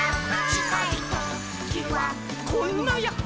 「ちかいときはこんなヤッホ」